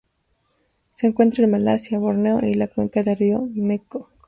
Se encuentra en Malasia, Borneo y la cuenca del río Mekong.